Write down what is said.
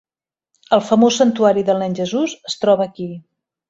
El famós santuari del nen Jesús es troba aquí.